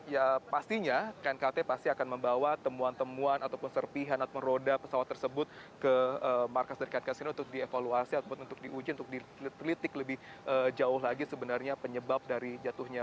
ya pastinya knkt pasti akan membawa temuan temuan ataupun serpihan atau roda pesawat tersebut ke markas dari knkasi ini untuk dievaluasi ataupun untuk diuji untuk ditelitik lebih jauh lagi sebenarnya penyebab dari jatuhnya